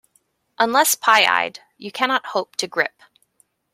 Unless pie-eyed, you cannot hope to grip.